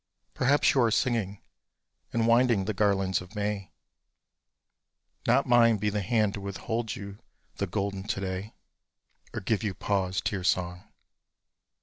Perhaps you are singing and winding the garlands of May; Not mine be the hand to withhold you the golden to day, Or give you pause to your song.